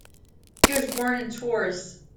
He was born in Tours.